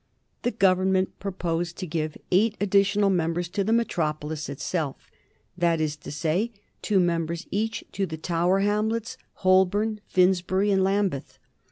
The Government proposed to give eight additional members to the metropolis itself that is to say, two members each to the Tower Hamlets, Holborn, Finsbury, and Lambeth.